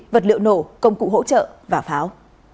vật liệu nổ công cụ hỗ trợ và pháo